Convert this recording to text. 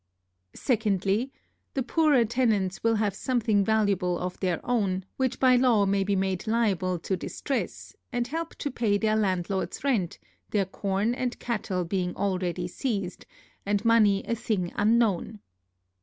Secondly, The poorer tenants will have something valuable of their own, which by law may be made liable to a distress, and help to pay their landlordŌĆÖs rent, their corn and cattle being already seized, and money a thing unknown.